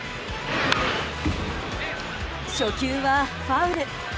初球はファウル。